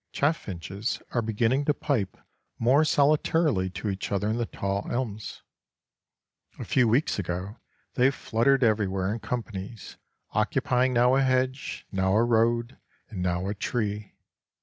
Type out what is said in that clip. Chaffinches are beginning to pipe more solitarily to each other in the tall elms. A few weeks ago they fluttered everywhere in companies, occupying now a hedge, now a road, and now a tree.